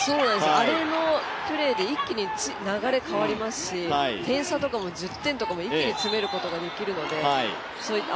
あれのプレーで一気に流れ変わりますし点差とかも１０点とか一気に詰めることができるのであ